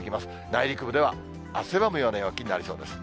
内陸部では汗ばむような陽気になりそうです。